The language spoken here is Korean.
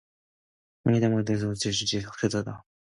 안개만 땅에서 올라와 온 지면을 적셨더라